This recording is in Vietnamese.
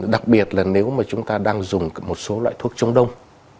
đặc biệt là nếu mà chúng ta đang dùng một số loại thuốc chống đông